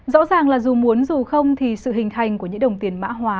rõ ràng là dù muốn dù không thì sự hình thành của những đồng tiền mã hóa